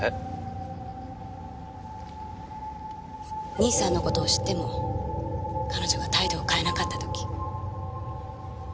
兄さんの事を知っても彼女が態度を変えなかった時。